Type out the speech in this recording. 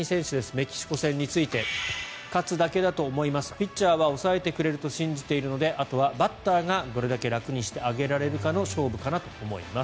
メキシコ戦について勝つだけだと思いますピッチャーは抑えてくれると信じているのであとはバッターがどれだけ楽にしてあげられるかの勝負かなと思います。